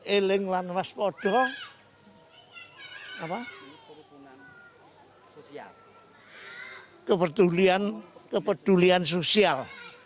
eling lanwas podo kepedulian sosial